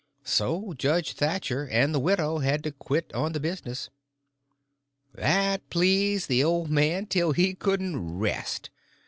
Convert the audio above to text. So Judge Thatcher and the widow had to quit on the business. That pleased the old man till he couldn't rest.